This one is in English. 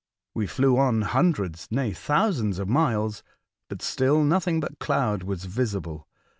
"We flew on hundreds, nay, thousands of miles, but still nothing but cloud was visible.